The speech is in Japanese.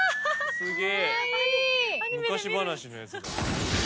すげえ！